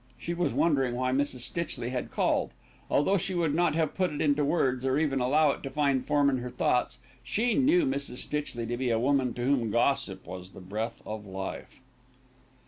She was wondering why Mrs. Stitchley had called. Although she would not have put it into words, or even allow it to find form in her thoughts, she knew Mrs. Stitchley to be a woman to whom gossip was the breath of life.